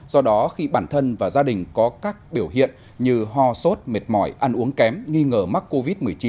do đó khi bản thân và gia đình có các biểu hiện như ho sốt mệt mỏi ăn uống kém nghi ngờ mắc covid một mươi chín